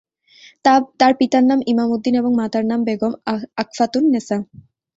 তার পিতার নাম ইমাম উদ্দিন এবং মাতার নাম বেগম আকফাতুন্নেছা।